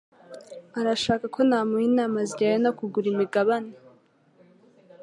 arashaka ko namuha inama zijyanye no kugura imigabane.